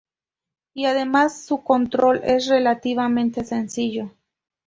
Y además su control es relativamente sencillo.